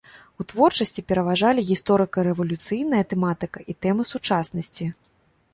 У творчасці пераважалі гісторыка-рэвалюцыйная тэматыка і тэмы сучаснасці.